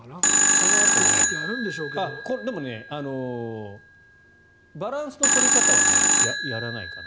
このあとでも、バランスの取り方はやらないかな。